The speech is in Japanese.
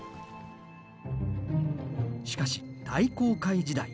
しかし大航海時代。